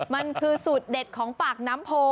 มันคือสูตรเด็ดของปากน้ำโพ